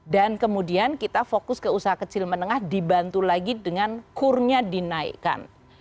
dan kemudian kita fokus ke usaha kecil menengah dibantu lagi dengan kurnya dinaikkan